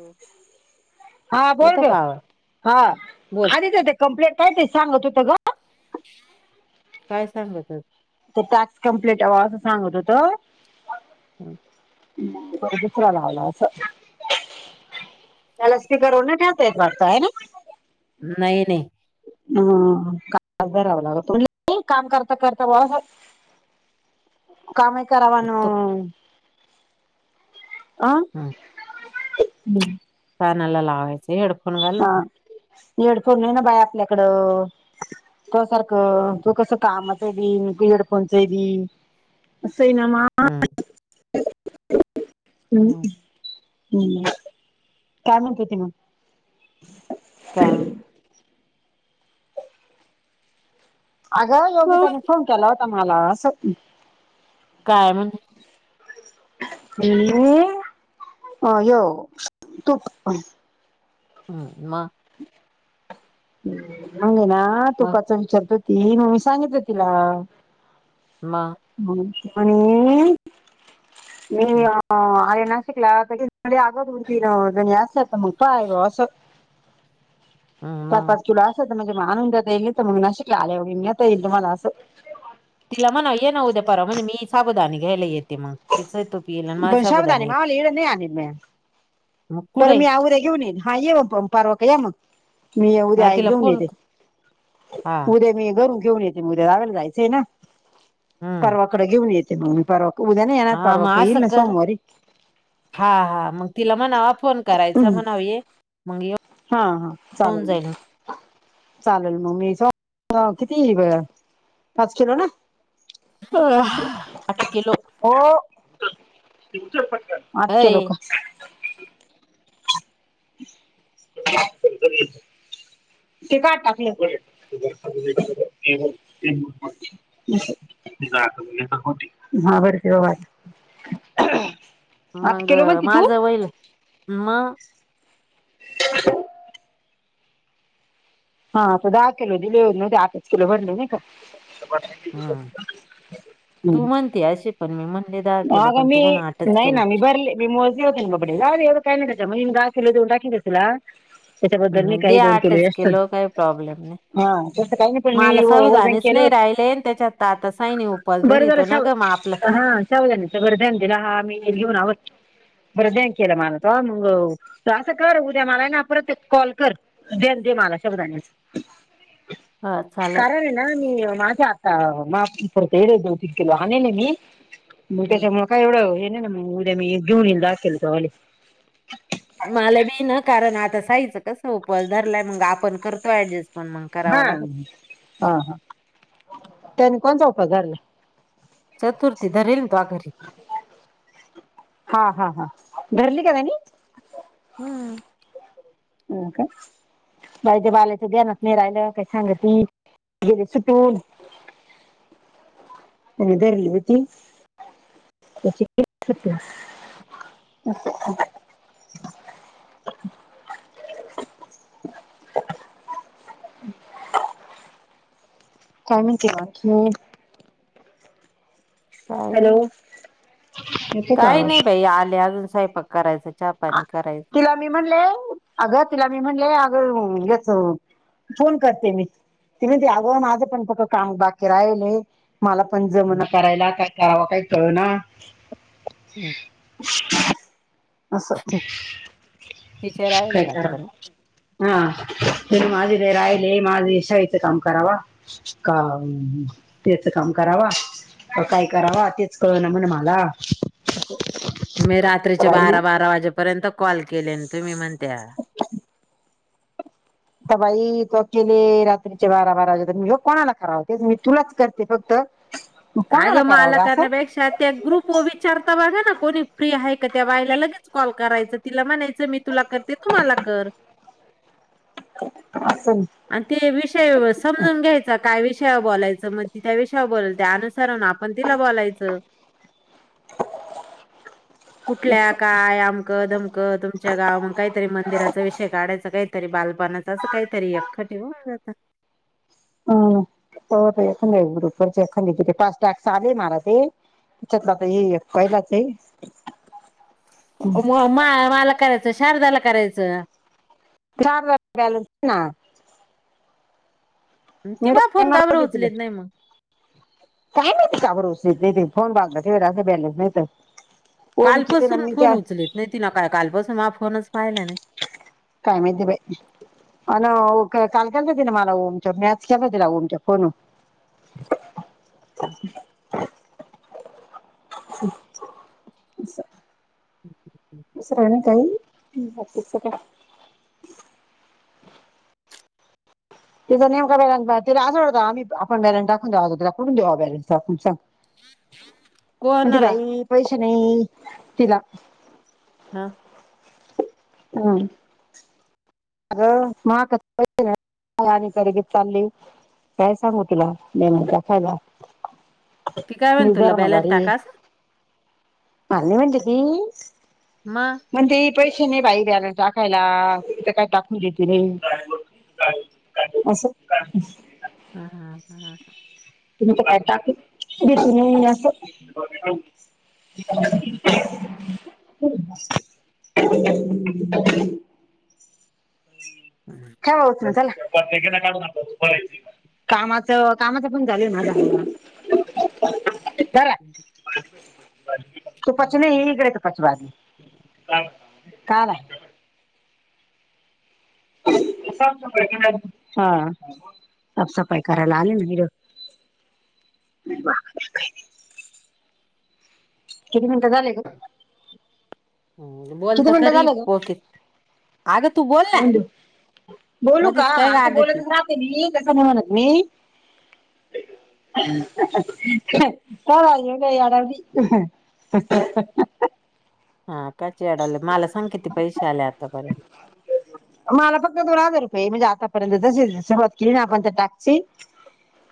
Hello. हा बोर येतो ग का आवाज हा बोल आधच ते कंप्लेंट काय सांगत होत ग काय सांगत तर टॅक्स कम्प्लीट हवा असं सांगत होत हम दुसरा लावला असं त्या लस करना ठेवता येत वाटत आहे ना नाही नाही हा कावं लागत काम करता करता ब काम करावन तो अ हम्म कानाला लावायच हेडफोन घाल ना हेडफोन आहे ना बाई आपल्याकडं त सारखं तू कस काम हड पोंचरी अस सनामा हम्म हम् ह् काय म्हणतती मग का अगं योगी त्याने फोन केला होता मला काय म्हण ह अ ये तूप हम् मा अगे ना तू मग काचा विचारतो ती मी सांगितलं तिला मग म म हं, अर ना ला आगो उटन जास्त असत मु का आहेग असस हं, तर मग परचू ला स म्हणजे माणून जातईल तर मग नाशिकला आलेवता येईल तु म्हाला असं तिला म्हणा ये ना उद्या पर्वा म्हणजे मी साबुदाणे घ्यायला येते मग तिच येल माझ पण बधान शाबुदाणे येत मावाला इकडं नाही आणील म्या बरं मी आव्या घेऊन येईन हा येव प पारवा का या मग मी हा उद्याई तिला घेऊन फोन येते क- हा उद्या मी घरू घेऊन येते्या जाग्याला जायचंय ना हम्म परवाकडे घेऊन येते मग मी परवा उद्या नाही येणार हा परवा मग का अस येईल ना कर सोमवारी हा हा मग तिला मणावा फोन करायच हम्म म्हण ह मग हा हा येऊन चालेल जाईल चालेल मग मी ह किती पाच किलो ना आठ किलो अटके लो अय का ते काट टाकलं तर हो हा [inaudible] वाट मग माझ वईल मग हा असता दहा किलो दिले होन ते आठच किलो भरले नाही का हम्म तू हम् म्हणते अशी पण मी म्हणले दहा किलो आग पण मी तू म्हण आठच नाही किलो ना मी बरली मी मजी होत बा काय न म्हणजे मी दहा किलो देऊन टाकीला त्याच्याबद्दल म हम्म, दे काही दोन आठच किलोत किलो काही प्रॉब्लेम नाही हा तसं काही नाही पण मी मला वजन साबुदाणेच केलं नाही होत राहिले आणि त्याच्यात आता साईनी उपवास बरं धरीतो जरशा ना हो ग मग आपलं हा सावजणच गरज दिला हा आम्ही घेऊन आवडतो बरं दे केलं मला त मग असं कर उद्या मला ना परत कॉल कर द्या मला शब्द हा चालल कारण आहे ना मी माझ्या अ मात एढ दोन तीन किलोा मी मग त्याच्यामुळे काय एवढं नम उद्या म जुनल हाकल कावाली मला बी ना कारण आता सायचं कस उपवास धरलाय मग आपण करतोय ऍडजस्ट पण मग हा करावा लागत हा ह त्यानी कोणचा उपायगला चतुर्थी धरल हा हा हाभधरली कानी हम्म हो का बाई ते बालाचं ध्यानात नाही राहिलं काही सांग त गेले सुटून आणि धरले होते त्याची गेली सुटून अच्छा अच्छा काय नाही केवा म काही नाही येतो का काही नाही आवाज बाई आले अजून साहेपाक करायच तिला मी म्हणले अगं तिला मी म्हणलेय अगं घच फोन करते मी त म्हती अगोून आज पण फक् काम बाकी राहिले मला पण जम ना करायचं करायला काय करावं काही कळू ना हम् अससं तिचर आला वाटत ना हा माझी ब राहिले माझ इशा येत काम करावा का त्याच काम करावा व काय करावा तेच कळ ना म्हणे मला म रात्रीच्या बाई बारा बारा वाजेपर्यंत कॉल केले तुम्ही म्हण त्या आ बाई तो केले रात्रीच्या बारा बारा वाजे तर मी कोणाला करावते मी तुलाच करते फक्त आग कोणाला करावं ग मालकन असं बेक्षात ग्रुप विचारतावग ना कोणी फ्री आहे का त्या वायला लगेच कॉल करायचं तिला म्हणायचं मी तुला करते तुम्हाला कर ह आणि ते विषय समजून घ्यायचा काय विषय बोलायचं मग ति त्या विषयवर बोलाल त्यानुसार आपण तिला बोलायचं कुठल्या काय आमक दधमक तुमच्या गावा मग काहीतरी मंदिराचा विषय काढायचं काही तरी बालपणाच अस काहीतरी एखखं ठेव ज हम हो एखा बरोपरचे एखंदी तिथे पाच टाक चाले मारा ते त्याच्यातलाता पहिलाच म मा मला करायचं शारदाला करायचं च ना ती बा फोन का मीणारज बरं येतील उचलीत नाही मग काय काब रज येतील फोन पागता बॅलेस नाही तर ओमचे ते ना कालपासून मी फोन त्या उचलत नाही ति ना काय कालपासून ह फोनच पाहिला नाही काय माहिती बा अ काल केलं तिला मला मच मॅच केला तिला ओमच्या कोण [inaudible] हा. च [unintelligible] दुसराण काहीकी का [unintelligible] तिचा नेमका बॅलन्स नाय, तिला असं वाटतं आपण बॅलन्स टाकून द्यावा, तिला कुठून द्यावा बॅलन्स टाकून. म्हणते कोणाला बाई, पैसे नाही तिला. हा. हम. आ महा क [unintelligible] का आणि करगी चालली काय सांगू तुला नेमचा फायदा [unintelligible] ती काय म्हण तुला बॅलन्स मीदर्मागारी टाका असं मल्ली म्हणजे ती [unintelligible] मग म्हणते पैसे नाही बॅलन्स टाकायला. त्याच्या पायी टाकवून देते मी. असं. हा, हा, हा, हा, हा तुम्ही तर काय टाक त तु्ही हम्म, हो [inaudible] खव होत ना चला त काढ कामाच कामाच पण झाले ना आ [unintelligible] जरा तू पच नाही हगडे त पच वाज [unintelligible] काला. हा. साफ सफाई करायला आले ना, हिकडं नाही बा किती मिनटं झाले ग? हम् बोल किती तर मिनिटं खरी, झाले ग ओक अग तू बोल ना. होऊन देऊ. बोलू का? मध्येच काय ग असं अगं ती बोलातच राहते मी, तसं म्हणूनच मी तर आईऊ नाही आडी [unintelligible] ह [unintelligible] हा काचे यायला लागले, मला सांग कती पैसे आले आतापर्यंत? मला फक्त दोन हजार रुपये म्हणजे, आतापर्यंत जशी सुरवात केली ना आपण त्या टास्कची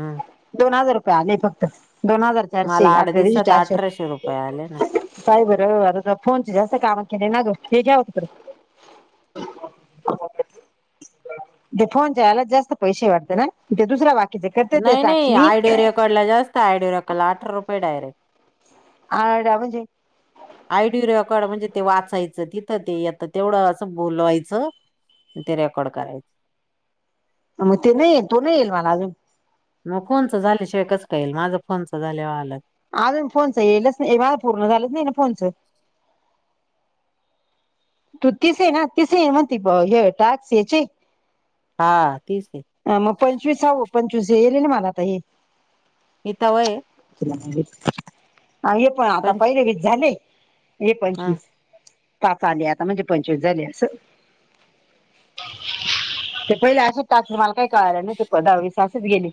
हम. दोन हजार रुपये आले फक्त दोन हजार मला चारशे आठ आपल्या दि दिवसात चारशे अठराशे रुपये आले ना ब [unintelligible] आता तर फोनचे जास्त काम केले नाग ग, हे घ्या हो तिकडं. ते फोनच्याला जास्त पैसे वाटत ना? ते दुसरा बाक्य नाही, नाही, ऑडिओ रेकॉर्डिंग जास्त, ऑडिओ रेकॉर्डला अठरा रुपये डायरेक्ट. आड म्हणजे? आयडी रेकॉर्ड म्हणजे ते वाचायचं, तिथं ते येतं तेवढं असं बोलवायचं ते रेकॉर्ड करायचं. मग ते नाही, येईल तो नाही येईल मला अजून. मग फोनच झाल्याशिवाय कस काय येईल, माझं फोनच झाल्यावर आल. अजून फोनच येईल, माझं पूर्ण झालंच नाही ना फोनच. तू तिस आहे, ना तिस म्हणती हे टॅक्स याचे. हा. तीच आहे अ मग पंचवीस हवं, पंचवीस हे येले ना मला आता हे. येतोय [unintelligible] ये पण आता पंच पहिले वीस झाले. हे हा पंचवीस, पाच आले आता म्हणजे पंचवीस झाले असं [inaudible] ते पहिले असेच ताासत मला काही कळालं नाही ते प दहावीसेच गेले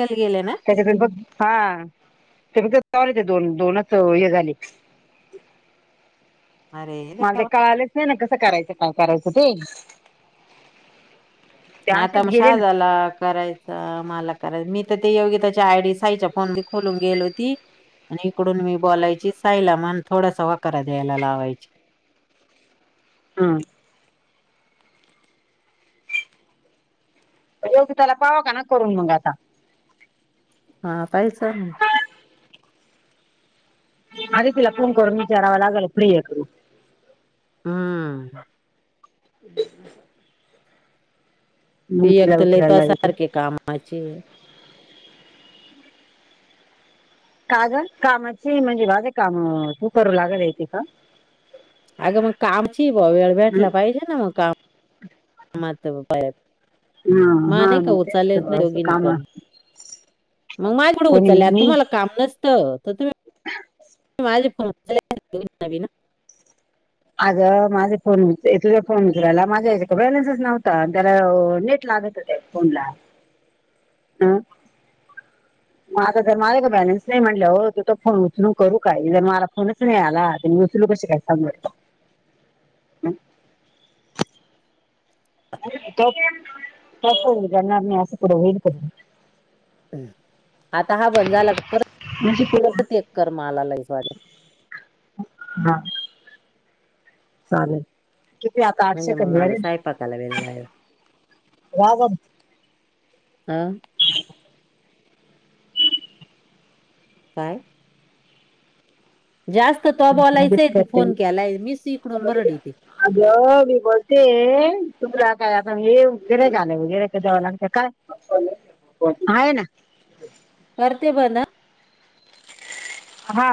हेल् गेले ना त्याच्या हा तेघ वले ते दोन दोनच हे झाले अरे मला ते देवा कळालेच नाही ना कसं करायचं काय करायचं ते ते आता असेच मग गेले ना शहाजाला करायचं मला करायच मी ते योगी त्याच्या आयडी साईच्या फोन म खोलून गेल होती आणि इकडून मी बोलायची साईला म्हण थोडासा वक द्यायला लावायची हम योगी त्याला पाव का ना करून मग आता हा काहीच आधी तिला फोन करुन विचारावं लागेल हम्म हम् त एकत लता विचारायला येते सारखे कामाचे [unintelligible] का ग कामाची म्हणजे, माझं काम तू करू लागल येते का? अगं मग कामची, ब वेळ हं? भेटला पाहिजे ना मग काम म हा मा हा नाही का मग उ तेच चालेच तर, नाही असं दोघीनी काम पण [unintelligible] मग माझ्याकडं कोणी उचलले, मी तुम्हाला काम नसतं तर तुम्ही माझे फोन वी ना आग माझे फोनच तुझा फोन विचरायला माझ्या याच्या बॅलन्सच नव्हता त्याला नेट गत हो फोनला अम ग आता तर मला का बॅलेन्स नाही म्हटलं हो तू त फोन उचलून करू काय जर मला फोनच नाही आला ल क काय सांग तप जणारार नाही हस कड हड क हम् आता हा बण झाला का परत म्हणजे पुढं परत एक कर मला लच वाज हा चालेल किती आता आठशे म्हणजे मग मला कर स्वयंपाकाला वेळ लागला राबा हम ह काय जास्त तो बलायचंय लगेच तू करते फोन केलाय मीस इकडून बरड येते अग मी बोलते तुरा काय हे फिराय आलं वगैरेक दव लागत काय आहे ना करते बना हा